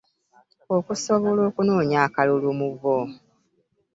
Okusobola okunoonya akalulu mu bo